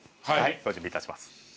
はいご準備いたします。